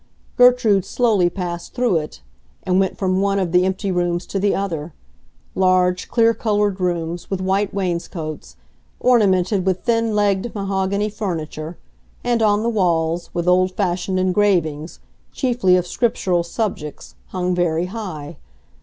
Gertrude slowly passed through it, and went from one of the empty rooms to the other—large, clear colored rooms, with white wainscots, ornamented with thin legged mahogany furniture, and, on the walls, with old fashioned engravings, chiefly of scriptural subjects, hung very high.